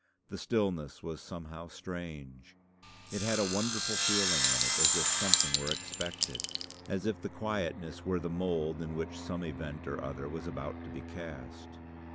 The stillness was somehow strange. It had a wonderful feeling in it as if something were expected as if the quietness were the mould in which some event or other was about to be cast.